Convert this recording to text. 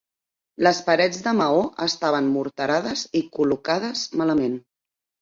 Les parets de maó estaven morterades i col·locades malament.